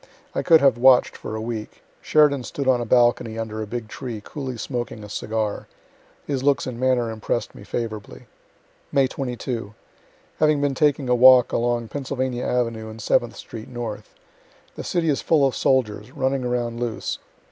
I could have watch'd for a week. Sheridan stood on a balcony, under a big tree, coolly smoking a cigar. His looks and manner impress'd me favorably. May 22. Have been taking a walk along Pennsylvania avenue and Seventh street north. The city is full of soldiers, running around loose.